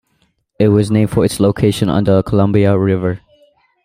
It was named for its location on the Columbia River.